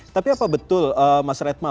tapi apa betul mas retma